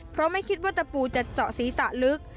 เพราะไม่คิดว่าตะปูจะเจาะศีรษะลึก